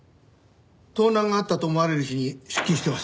盗難があったと思われる日に出勤してます。